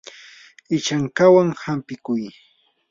ishankawan hampikuy.